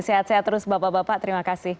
sehat sehat terus bapak bapak terima kasih